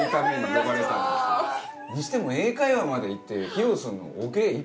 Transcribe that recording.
にしても英会話まで行って披露すんの「オケイ」一本？